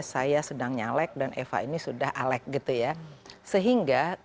seatannya juga sudah setelah semalam ini